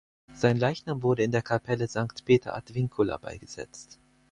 Sein Leichnam wurde in der Kapelle St Peter ad Vincula beigesetzt.